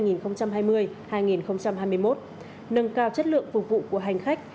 nâng cao chất lượng phục vụ của hành khách